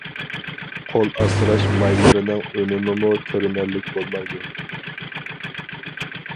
قول ئاسراش مايلىرىنىڭ ئۈنۈمىمۇ كۆرۈنەرلىك بولمايدۇ.